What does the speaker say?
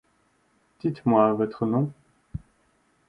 Dites-moi votre nom ?